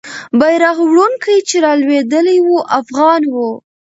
بیرغ وړونکی چې رالوېدلی وو، افغان وو.